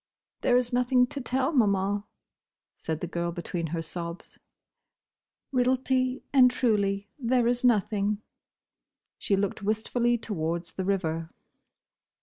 "There is nothing to tell, Maman," said the girl between her sobs. "Realty and truly there is nothing." She looked wistfully towards the river.